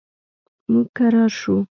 موږ کرار شو.